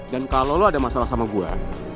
dan kalau lo ada masalah sama gue